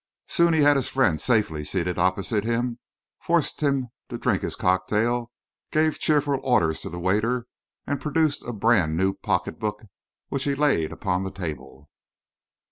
Soon he had his friend safely seated opposite him, forced him to drink his cocktail, gave cheerful orders to the waiter, and produced a brand new pocketbook, which he laid upon the table.